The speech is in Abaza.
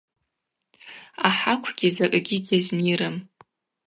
Ахӏаквгьи закӏгьи гьазнирым.